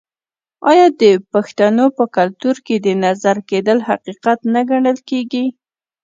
آیا د پښتنو په کلتور کې د نظر کیدل حقیقت نه ګڼل کیږي؟